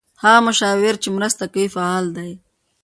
هغه مشاور چې مرسته کوي فعال دی.